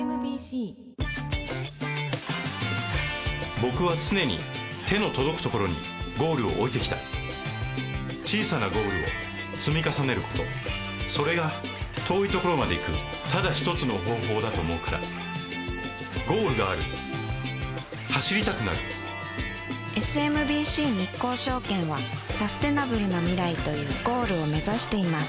僕は常に手の届くところにゴールを置いてきた小さなゴールを積み重ねることそれが遠いところまで行くただ一つの方法だと思うからゴールがある走りたくなるＳＭＢＣ日興証券はサステナブルな未来というゴールを目指しています